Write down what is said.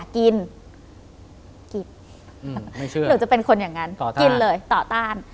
กินหรือจะเป็นคนอย่างนั้นกินเลยต่อต้าน